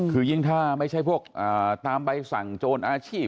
คือยิ่งถ้าไม่ใช่พวกตามใบสั่งโจรอาชีพ